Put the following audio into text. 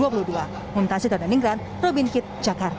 mementasir tata ninggar robin kit jakarta